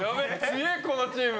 強えこのチーム。